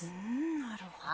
なるほど。